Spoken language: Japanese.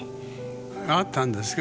あったんですか？